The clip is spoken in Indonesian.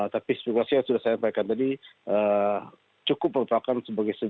tapi spesifikasi yang sudah saya sampaikan tadi cukup untuk sebagai